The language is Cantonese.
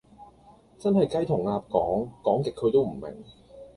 真係雞同鴨講，講極佢都唔明